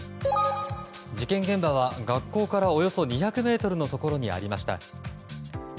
事件現場は学校からおよそ２００ｍのところにありました。